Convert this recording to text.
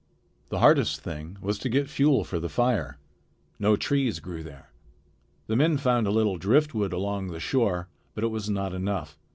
The hardest thing was to get fuel for the fire. No trees grew there. The men found a little driftwood along the shore, but it was not enough.